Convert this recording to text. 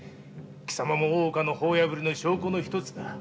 貴様も大岡のご法破りの証拠の一つだ。